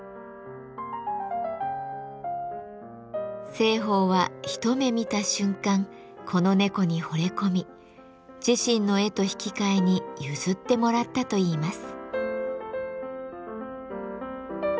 栖鳳は一目見た瞬間この猫にほれ込み自身の絵と引き換えに譲ってもらったといいます。